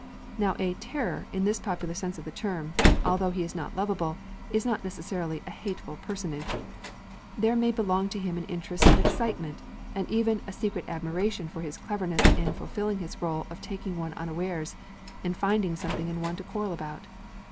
Now a 'Terror,' in this popular sense of the term, although he is not a lovable, is not necessarily a hateful personage. There may belong to him an interest of excitement, and even a secret admiration for his cleverness in fulfilling his role of taking one unawares and finding something in one to quarrel about.